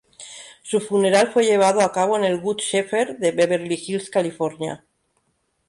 Su funeral fue llevado a cabo en el Good Shepherd de Beverly Hills, California.